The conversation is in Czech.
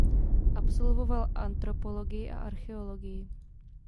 Absolvoval antropologii a archeologii.